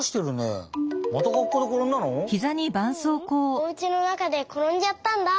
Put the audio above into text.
おうちの中でころんじゃったんだ。